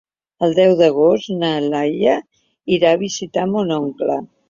El deu d'agost na Laia irà a visitar mon oncle.